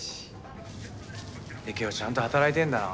ユキオちゃんと働いてんだな。